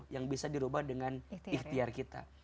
yang bisa dirubah dengan ikhtiar kita